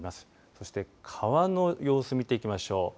そして川の様子見ていきましょう。